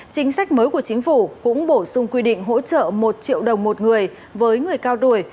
chính sách mới của chính phủ cũng bổ sung quy định hỗ trợ một triệu đồng một người với người cao tuổi